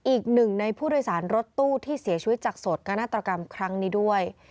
อีกหนึ่งในผู้โดยสารรถตู้ที่เสียชีวิตจากโสดกนาฏกรรมครั้งนี้ด้วย